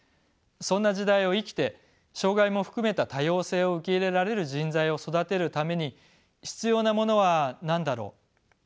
そんな時代を生きて障がいも含めた多様性を受け入れられる人材を育てるために必要なものは何だろう。